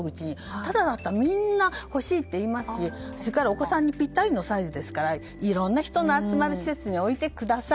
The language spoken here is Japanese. タダだったらみんな、欲しいって言いますしそれから、お子さんにぴったりの施設ですからいろいろな人が集まるところに置いてください。